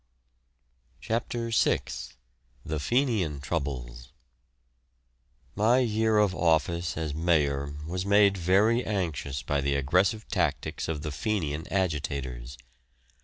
CHAPTER VI. THE FENIAN TROUBLES. My year of office as Mayor was made very anxious by the aggressive tactics of the Fenian agitators.